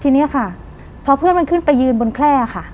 ทีนี้ค่ะพอเพื่อนมันขึ้นไปยืนบนแคล่ค่ะ